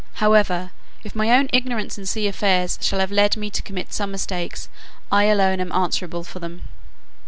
However, if my own ignorance in sea affairs shall have led me to commit some mistakes, I alone am answerable for them.